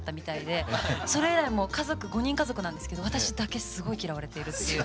それ以来もう家族５人家族なんですけど私だけすごい嫌われているっていう。